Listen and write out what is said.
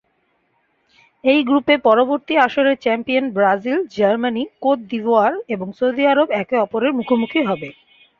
এই গ্রুপে পূর্ববর্তী আসরের champion Brazil, Germany, Cote d'Ivoire এবং সৌদি আরব একে অপরের মুখোমুখি হবে।